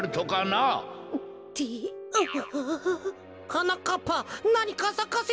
はなかっぱなにかさかせてみろよ。